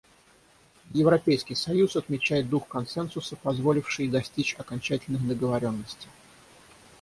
Европейский союз отмечает дух консенсуса, позволивший достичь окончательных договоренностей.